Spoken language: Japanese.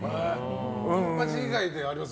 「金八」以外であります？